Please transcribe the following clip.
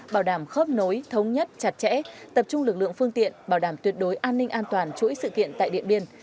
bảo đảm khớp nối thống nhất chặt chẽ tập trung lực lượng phương tiện bảo đảm tuyệt đối an ninh an toàn chuỗi sự kiện tại điện biên